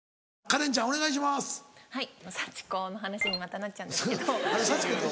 はいサチコの話にまたなっちゃうんですけど。